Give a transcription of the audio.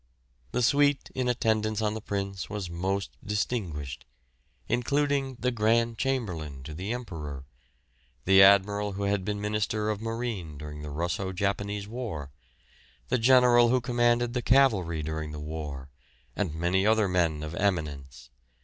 The suite in attendance on the Prince was most distinguished, including the Grand Chamberlain to the Emperor, the Admiral who had been Minister of Marine during the Russo Japanese war, the General who commanded the cavalry during the war, and many other men of eminence.